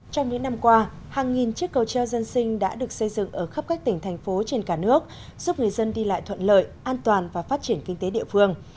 trong những năm qua hàng nghìn chiếc cầu treo dân sinh đã được xây dựng ở khắp các tỉnh thành phố trên cả nước giúp người dân đi lại thuận lợi an toàn và phát triển kinh tế địa phương